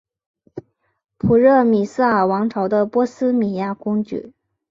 普热米斯尔王朝的波希米亚公爵。